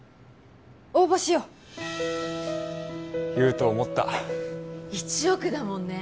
応募しよう言うと思った１億だもんね